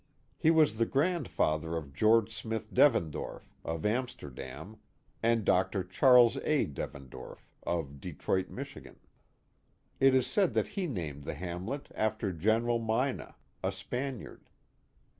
He was the grandfather of George Smith Devendorf, of Amsterdam, and Dr. Charles A. Devendorf, of Detroit. Mich. It is said that he named the hamlet after General Mina, a Spaniard.